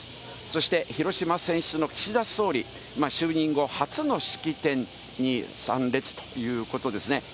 そして、広島選出の岸田総理、就任後初の式典に参列ということですね。